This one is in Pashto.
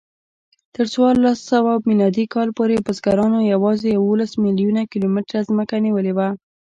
تر څوارلسسوه میلادي کال پورې بزګرانو یواځې یوولس میلیونه کیلومتره ځمکه نیولې وه.